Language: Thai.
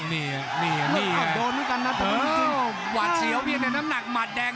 นี่นี่ก็โดนเหมือนกันนะเธอหวาดเสียวเพียงแต่น้ำหนักหมัดแดง